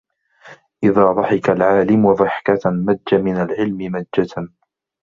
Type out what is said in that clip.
إذَا ضَحِكَ الْعَالِمُ ضِحْكَةً مَجَّ مِنْ الْعِلْمِ مَجَّةً